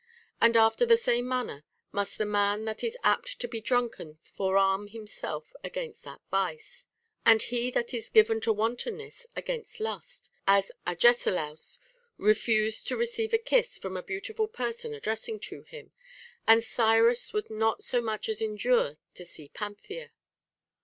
And after the same manner must the man that is apt to be drunken forearm himself against that vice ; and he that is given to wantonness, against lust, as Agesilaus refused to receive a kiss from a beautiful person addressing to him, and Cyrus would not so much as endure to see Panthea.